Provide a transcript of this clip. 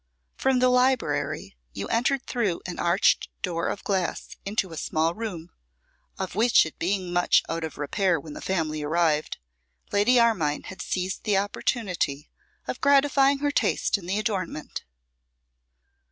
From the library you entered through an arched door of glass into a small room, of which, it being much out of repair when the family arrived, Lady Armine had seized the opportunity of gratifying her taste in the adornment.